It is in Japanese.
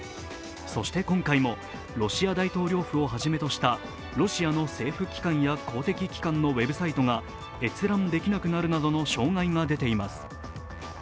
そして今回も、ロシア大統領府をはじめとしたロシアの政府機関や公的機関のウェブサイトが閲覧できなくなるなどの障害が出ています。